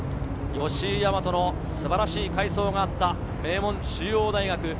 吉居大和の素晴らしい快走があった名門・中央大学。